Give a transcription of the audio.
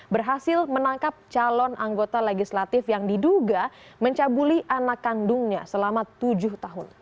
berhasil menangkap calon anggota legislatif yang diduga mencabuli anak kandungnya selama tujuh tahun